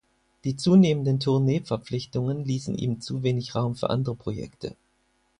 Die zunehmenden Tournee-Verpflichtungen ließen ihm zu wenig Raum für andere Projekte.